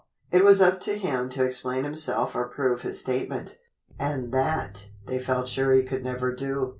It was up to him to explain himself or prove his statement, and that they felt sure he could never do.